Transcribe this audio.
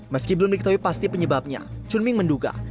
meski belum diketahui pasti penyebabnya chunming menduga